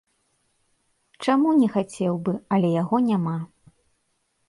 Чаму не хацеў бы, але яго няма.